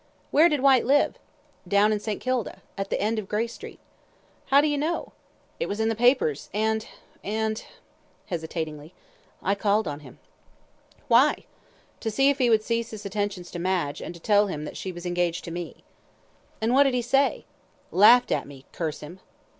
"Where did Whyte live?" "Down in St. Kilda, at the end of Grey Street." "How do you know?" "It was in the papers, and and " hesitatingly, "I called on him." "Why?" "To see if he would cease his attentions to Madge, and to tell him that she was engaged to me." "And what did he say?" "Laughed at me. Curse him."